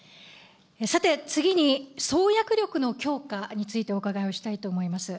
さて、次に創薬力の強化についてお伺いしたいと思います。